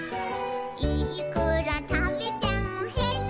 「いくらたべてもへるもんな」